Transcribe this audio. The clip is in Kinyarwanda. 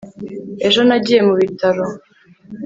ejo nagiye mu bitaro